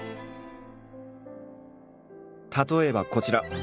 例えばこちら。